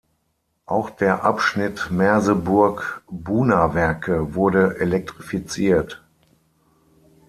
Auch der Abschnitt Merseburg–Buna Werke wurde elektrifiziert.